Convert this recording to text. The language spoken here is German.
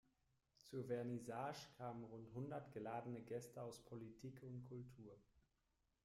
Zur Vernissage kamen rund hundert geladene Gäste aus Politik und Kultur.